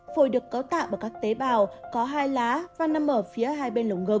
phổi được cấu tạo bởi các tế bào có hai lá và nằm ở phía hai bên lồng gợ